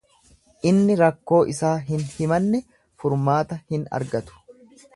Inni rakkoo isaa hin himanne furmaata hin argatu.